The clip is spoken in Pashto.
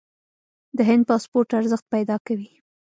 د هند پاسپورت ارزښت پیدا کوي.